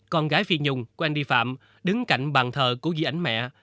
con gái phi nhung của andy phạm đứng cạnh bàn thờ của dí ảnh mẹ